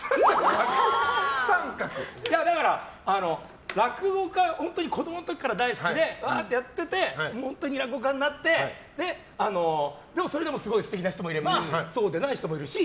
だから、子供の時から大好きで落語をやってて本当に落語家になってそれでもすごい素敵な人もいればそうでない人もいるし。